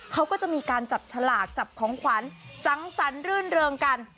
เขาก็จะมีการจับฉลากจับของขวัญสังสรรค์รื่นเริงกัน